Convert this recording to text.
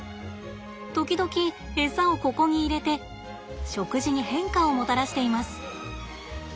時々エサをここに入れて食事に変化をもたらしています。